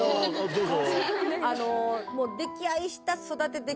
どうぞ。